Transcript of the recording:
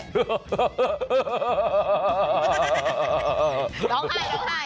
น้องไข่